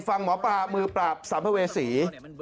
ฟังหมอปลามือปราบสัมภเวษี